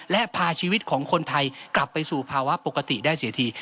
และพาชีวิตของคนไทยกลับไปสู่ภาวะปกติได้เสียที